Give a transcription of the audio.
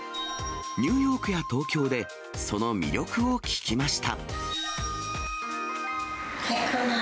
ニューヨークや東京で、その魅力を聞きました。